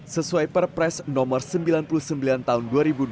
sesuai perpres nomor sembilan puluh sembilan tahun dua ribu dua puluh